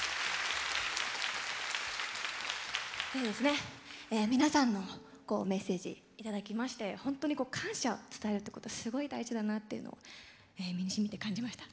それでは皆さんのメッセージいただきまして本当に感謝を伝えることってすごい大事だなっていうのを身にしみて感じました。